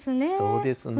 そうですね。